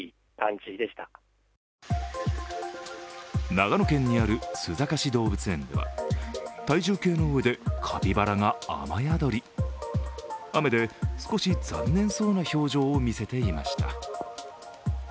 長野県にある須坂市動物園では体重計の上でカピバラが雨宿り、雨で少し残念そうな表情をみせていました。